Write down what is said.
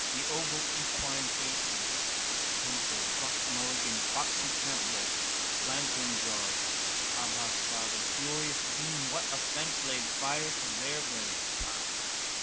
The oval equine faces, Temple, Buck Mulligan, Foxy Campbell, Lanternjaws. Abbas father, furious dean, what offence laid fire to their brains? Paff!